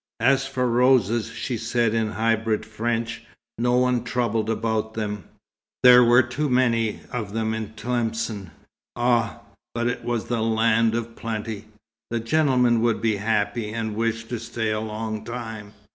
As for roses, she said in hybrid French, no one troubled about them there were too many in Tlemcen. Ah! but it was a land of plenty! The gentlemen would be happy, and wish to stay a long time.